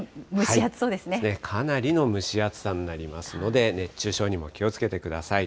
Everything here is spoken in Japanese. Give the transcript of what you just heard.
かなりの蒸し暑さになりますので、熱中症にも気をつけてください。